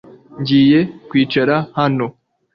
Ngiye kwicara hano